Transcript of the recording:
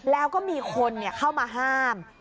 แล้วก็มีคนเข้ามาห้าม